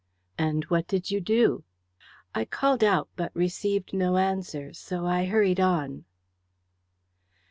"And what did you do?" "I called out, but received no answer, so I hurried on."